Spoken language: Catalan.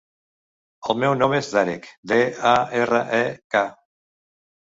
El meu nom és Darek: de, a, erra, e, ca.